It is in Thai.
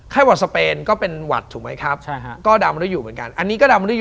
แต่ว่าดาวน์มะนิ้